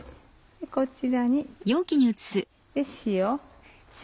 こちらに塩。